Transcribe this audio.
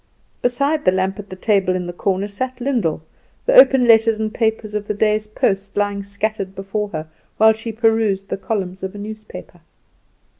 Beside the lamp at the table in the corner sat Lyndall, the open letters and papers of the day's post lying scattered before her, while she perused the columns of a newspaper.